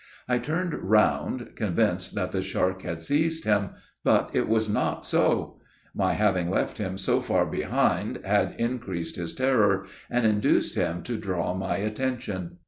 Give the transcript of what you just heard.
I turned round, convinced that the shark had seized him, but it was not so; my having left him so far behind had increased his terror, and induced him to draw my attention.